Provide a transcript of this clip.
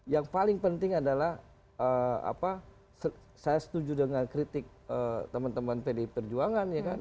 yang paling penting adalah saya setuju dengan kritik teman teman pdi perjuangan ya kan